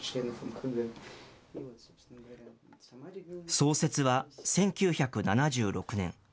創設は１９７６年。